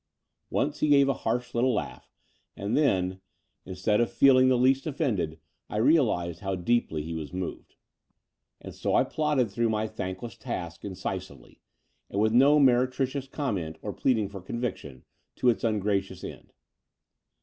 Once he gave a short, harsh little laugh; and then, instead of feel 228 The Door of the Unreal ing the least offended, I realized how deeply he was moved. And so I plodded through my thankless task incisively, and with no meretricious comment or pleading for conviction, to its ungracious end.